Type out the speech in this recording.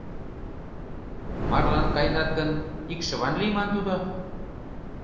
Марлан каенат гын, икшыван лийман тудо...